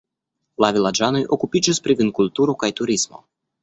La vilaĝanoj okupiĝas pri vinkulturo kaj turismo.